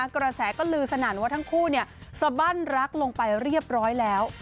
กระแสก็ลือสนั่นว่าทั้งคู่สบั้นรักลงไปเรียบร้อยแล้ว